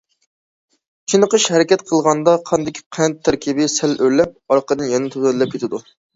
چېنىقىش: ھەرىكەت قىلغاندا قاندىكى قەنت تەركىبى سەل ئۆرلەپ، ئارقىدىن يەنە تۆۋەنلەپ كېتىدۇ.